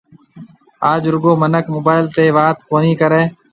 آج رُگو منک موبائل تيَ وات ڪونِي ڪرَي